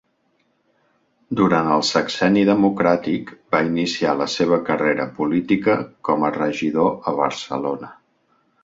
Durant el Sexenni Democràtic va iniciar la seva carrera política com a regidor a Barcelona.